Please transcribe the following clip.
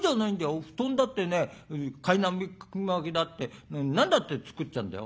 お布団だってねかいまきだって何だって作っちゃうんだよ。